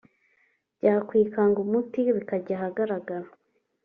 byakwikanga umuti bikajya ahagaragara